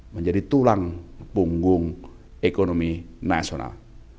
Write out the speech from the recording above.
menjadi tulang punggung ekonomi nasional